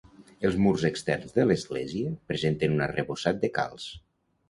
Els murs externs de l'església presenten un arrebossat de calç.